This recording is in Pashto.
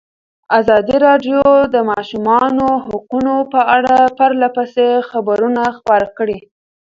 ازادي راډیو د د ماشومانو حقونه په اړه پرله پسې خبرونه خپاره کړي.